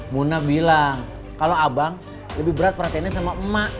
muna bilang kalau abang lebih berat perhatiannya sama emak